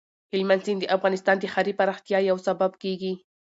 هلمند سیند د افغانستان د ښاري پراختیا یو سبب کېږي.